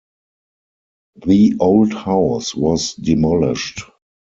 The old house was demolished.